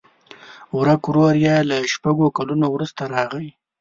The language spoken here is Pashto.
ورک ورور یې له شپږو کلونو وروسته راغی.